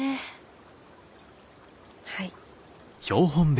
はい。